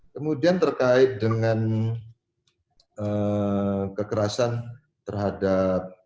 kemudian terkait dengan kekerasan terhadap